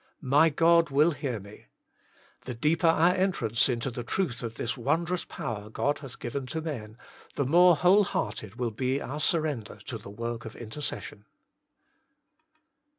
My God will hear me : The deeper our entrance into the truth of this wondrous power God hath given to men, the more whole hearted will be our surrender to the work of intercession.